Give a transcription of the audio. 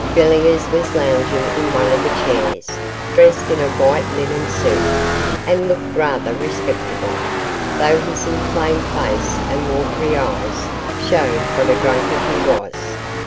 Villiers was lounging in one of the chairs, dressed in a white linen suit, and looked rather respectable, though his inflamed face and watery eyes showed what a drunkard he was.